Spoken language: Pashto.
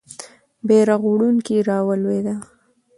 بیرغ وړونکی رالوېده.